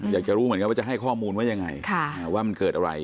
อยากจะรู้เหมือนกันว่าจะให้ข้อมูลว่ายังไงว่ามันเกิดอะไร